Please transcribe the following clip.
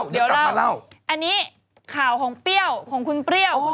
เดี๋ยวเรามาเล่าอันนี้ข่าวของเปรี้ยวของคุณเปรี้ยว